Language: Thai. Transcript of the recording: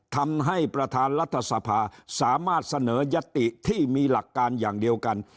ทำให้ประธานรัฐสภาสามารถเสนอยติที่มีหลักการอย่างเดียวกัน